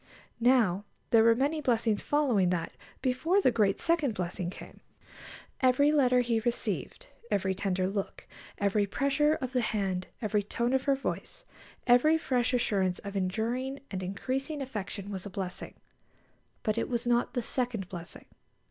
Now, there were many blessings following that before the great second blessing came. Every letter he received, every tender look, every pressure of the hand, every tone of her voice, every fresh assurance of enduring and increasing affection was a blessing; but it was not the second blessing.